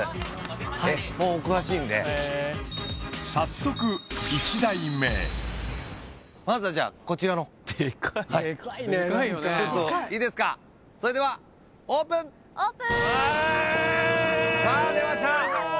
はいもうお詳しいんで早速１台目まずはじゃあこちらのデカいね何かいいですかそれではオープンさあ出ました